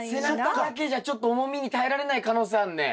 背中だけじゃちょっと重みに耐えられない可能性あんね。